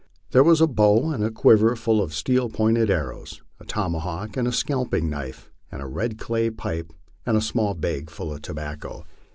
There was the bow and quiver full of steel pointed arrows, the tomahawk and scalping knife, and a red clay pipe with a small bag full of tobacco.